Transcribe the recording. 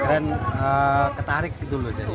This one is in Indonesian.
kren ketarik gitu loh